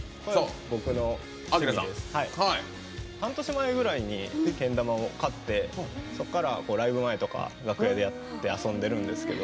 半年前ぐらいにけん玉を買ってそこからライブ前とか楽屋でやって遊んでいるんですけど。